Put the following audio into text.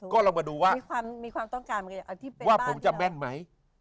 คิดว่าผมจะแม่นไหม